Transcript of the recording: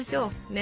ね。